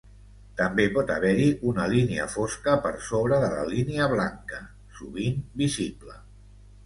També pot haver-hi una línia fosca per sobre de la línia blanca, sovint visible.